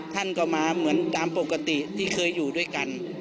ท่านก็มาเหมือนตามปกติที่เคยอยู่ด้วยกัน